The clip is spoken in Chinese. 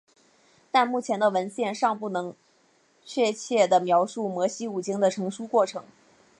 但目前的文献尚不能确切地描述摩西五经的成书过程。